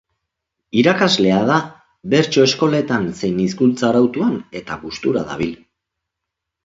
Irakaslea da bertso eskoletan zein hezkuntza arautuan eta gustura dabil.